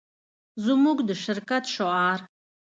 زموږ د شرکت شعار